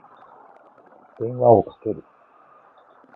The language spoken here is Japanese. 電話をかける。